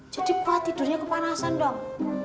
jadi gua tidurnya kepanasan dong